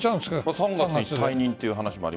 ３月に退任という話がある。